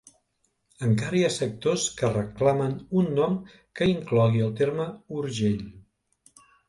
Encara hi ha sectors que reclamen un nom que inclogui el terme Urgell.